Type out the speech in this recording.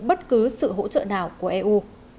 bất cứ sự hỗ trợ nào của eu